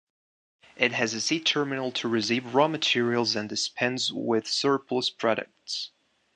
It has a sea terminal to receive raw materials and dispense with surplus products.